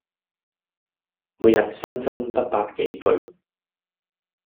每日新增得百幾句